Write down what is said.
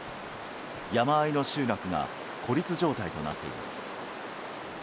山あいの集落が孤立状態となっています。